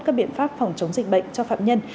các biện pháp phòng chống dịch bệnh cho phạm nhân